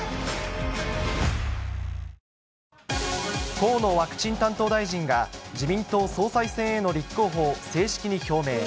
河野ワクチン担当大臣が、自民党総裁選への立候補を正式に表明。